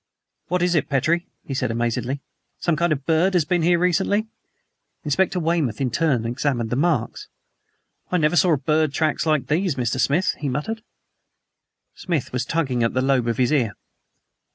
"What is it, Petrie?" he said amazedly. "Some kind of bird has been here, and recently." Inspector Weymouth in turn examined the marks. "I never saw bird tracks like these, Mr. Smith," he muttered. Smith was tugging at the lobe of his ear.